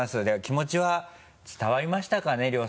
では気持ちは伝わりましたかね？